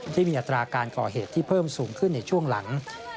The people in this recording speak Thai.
ที่มีอัตราการก่อเหตุที่เพิ่มสูงขึ้นในช่วงหลัง